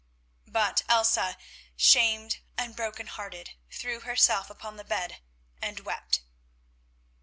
But Elsa, shamed and broken hearted, threw herself upon the bed and wept.